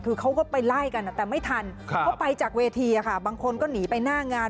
คือเขาก็ไปไล่กันแต่ไม่ทันเขาไปจากเวทีบางคนก็หนีไปหน้างาน